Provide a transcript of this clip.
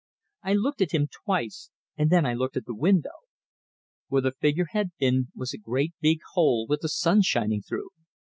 I looked at him twice, and then I looked at the window. Where the figure had been was a great big hole with the sun shining through!